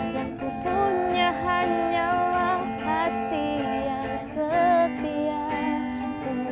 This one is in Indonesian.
yang kupunya hanyalah hati yang setia terus padamu